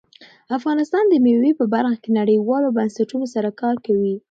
افغانستان د مېوې په برخه کې نړیوالو بنسټونو سره کار کوي.